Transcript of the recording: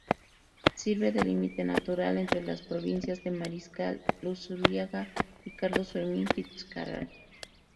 Sirve de límite natural entre las provincias de Mariscal Luzuriaga y Carlos Fermín Fitzcarrald.